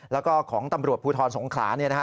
แล้วก็ของตำรวจภูทรสงขลาเนี่ยนะฮะ